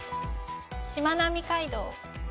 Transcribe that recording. しまなみ海道。